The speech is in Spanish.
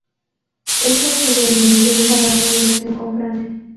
Este sería el inicio de una larga relación con Francia.